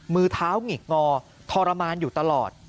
มือเท้าหงิกงอทรมานอยู่ตลอด